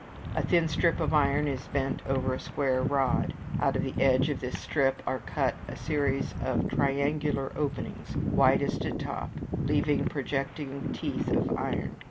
A thin strip of iron is bent over a square rod; out of the edge of this strip are cut a series of triangular openings widest at top, leaving projecting teeth of iron (Appendix, Fig.